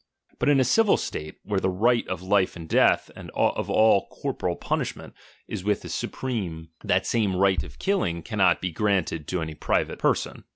But in a civil state, where the right of life and death and of all corpo ral punishment is with the supreme, that same right of killing cannot be granted to any private I 26 LIBERTY. person.